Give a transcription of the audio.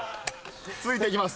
続いていきます。